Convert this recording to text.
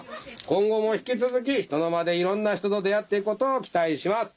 今後も引き続きひとのまでいろんな人と出会って行くことを期待します。